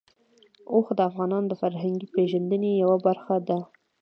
اوښ د افغانانو د فرهنګي پیژندنې یوه برخه ده.